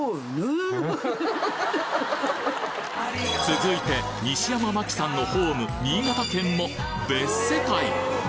続いて西山茉希さんのホーム新潟県も別世界！